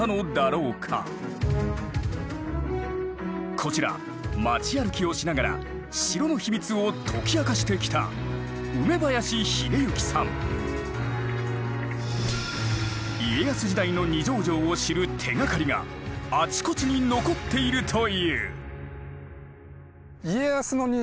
こちら街歩きをしながら城の秘密を解き明かしてきた家康時代の二条城を知る手がかりがあちこちに残っているという。